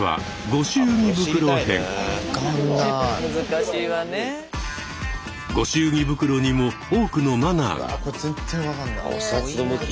御祝儀袋にも多くのマナーが。